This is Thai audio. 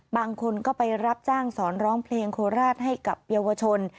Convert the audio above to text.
บางคนก็ไปรับจ้างสอนร้องเพลงโคราชให้กับเยาวชน